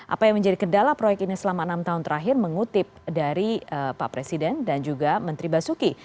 apa yang menjadi kendala proyek ini selama enam tahun terakhir mengutip dari pak presiden dan juga menteri basuki